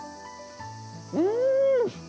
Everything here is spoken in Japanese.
うん！